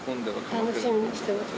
楽しみにしてます。